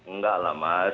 enggak lah mas